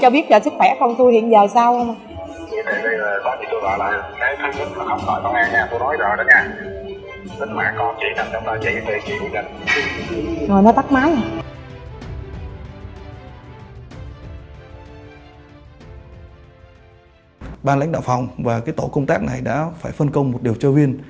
ban lãnh đạo phòng và tổ công tác này đã phải phân công một điều chơi viên